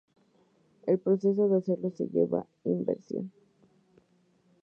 El proceso de hacerlo se llama inversión.